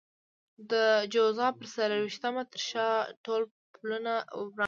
د جوزا پر څلور وېشتمه تر شا ټول پلونه وران کړئ.